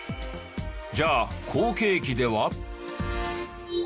じゃあ好景気では？